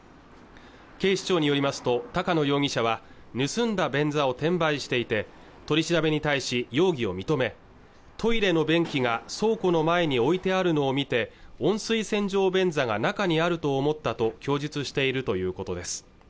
警視庁によりますと高野容疑者は盗んだ便座を転売していて取り調べに対し容疑を認めトイレの便器が倉庫の前に置いてあるのを見て温水洗浄便座が中にあると思ったと供述しているということです